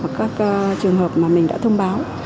ví dụ công dân đến các trường hợp mà mình đã thông báo